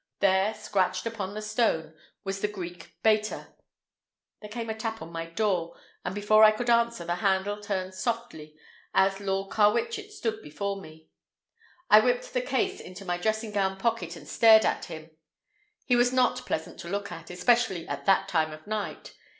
There, scratched upon the stone, was the Greek Beta! There came a tap on my door, and before I could answer, the handle turned softly and Lord Carwitchet stood before me. I whipped the case into my dressing gown pocket and stared at him. He was not pleasant to look at, especially at that time of night.